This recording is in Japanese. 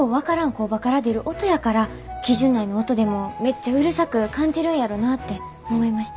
工場から出る音やから基準内の音でもめっちゃうるさく感じるんやろなって思いました。